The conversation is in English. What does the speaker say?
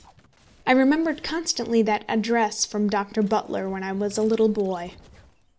I remembered constantly that address from Dr. Butler when I was a little boy.